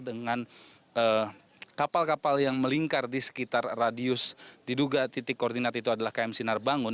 dengan kapal kapal yang melingkar di sekitar radius diduga titik koordinat itu adalah km sinar bangun